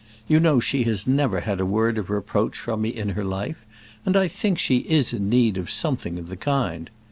You know she has never had a word of reproach from me in her life, and I think she is in need of something of the kind.